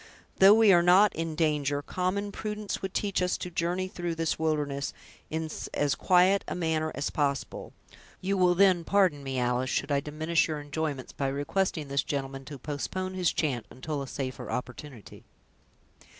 "Though we are not in danger, common prudence would teach us to journey through this wilderness in as quiet a manner as possible. You will then, pardon me, Alice, should I diminish your enjoyments, by requesting this gentleman to postpone his chant until a safer opportunity."